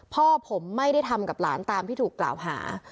พ่อผมไม่ได้ทำกับหลานตามที่ถูกกล่าวหา